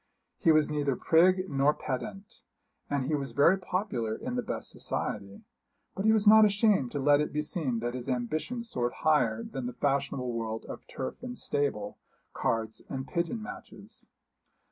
He was neither prig nor pedant, and he was very popular in the best society; but he was not ashamed to let it be seen that his ambition soared higher than the fashionable world of turf and stable, cards and pigeon matches.